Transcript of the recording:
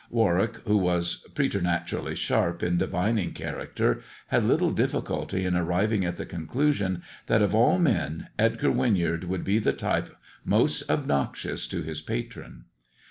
Warwick, who was preternaturally sharp in divining character, had little difficulty in arriving at the conclusion that of all men Edgar Winyard would be the type most obnoxious to his patron.